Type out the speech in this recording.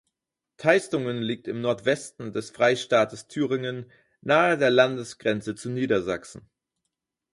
Teistungen liegt im Nordwesten des Freistaates Thüringen, nahe der Landesgrenze zu Niedersachsen.